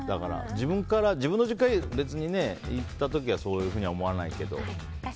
自分の実家に行った時はそういうふうには思わないけど。